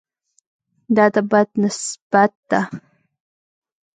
دا د بد نسبت ده.